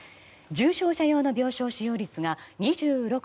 重症者用の病床使用率が２６．２％。